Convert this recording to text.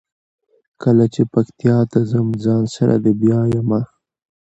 کله چې پکتیا ته ځم ځان سره دې بیایمه.